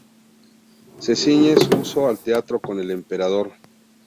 Se ciñe su uso al trato con el emperador.